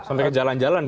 sampai ke jalan jalan